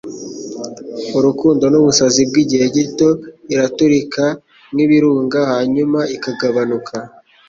Urukundo nubusazi bwigihe gito. Iraturika nkibirunga hanyuma ikagabanuka.